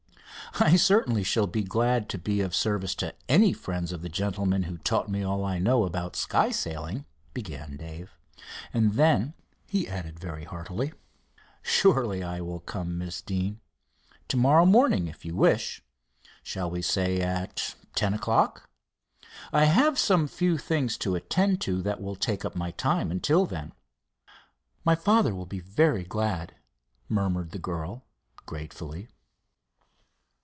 "I certainly shall be glad to be of service to any friends of the gentleman who taught me all I know about sky sailing," began Dave, and then he added very heartily: "Surely I will come, Miss Deane. To morrow morning, if you wish. Shall we say at ten o'clock? I have some few things to attend to that will take up my time until then." "My father will be very glad," murmured the girl, gratefully.